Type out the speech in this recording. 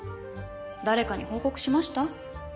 誰かに報告しました？